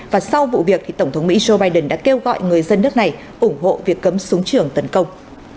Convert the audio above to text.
và sau vụ việc tổng thống mỹ joe biden đã kêu gọi người dân nước này ủng hộ việc cấm súng trường tấn công